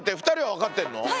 ２人は分かってるの？